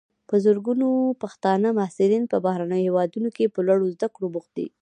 په زرګونو پښتانه محصلین په بهرنیو هیوادونو کې په لوړو زده کړو بوخت دي.